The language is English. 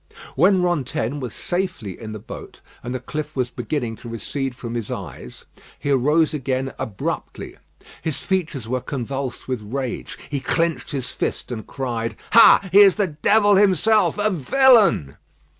When Rantaine was safely in the boat, and the cliff was beginning to recede from his eyes, he arose again abruptly. His features were convulsed with rage; he clenched his fist and cried: "Ha! he is the devil himself; a villain!"